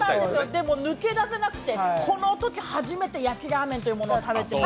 でも抜け出せなくてこのとき初めて焼ラーメンというのを食べました。